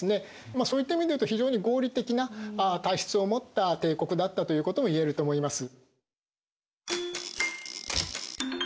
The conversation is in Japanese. まあそういった意味で言うと非常に合理的な体質を持った帝国だったということを言えると思います。